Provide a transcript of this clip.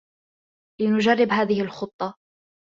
لنجرب هذه الخطة.